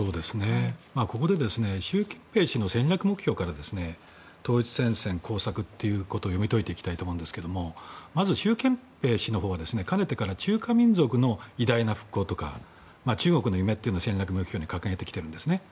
ここで習近平氏の戦略目標から統一戦線工作ということを読み解いていきたいと思いますがまず習近平氏のほうはかねてから中華民族の偉大な復興とか中国の夢というのを戦略目標に掲げてきているんですね。